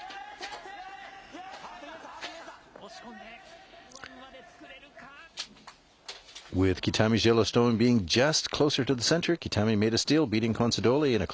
押し込んで、ワンまで作れるか？